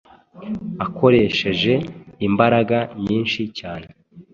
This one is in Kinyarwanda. akoresheje imbaraga nyinshi cyane